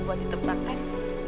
buat ditebak kan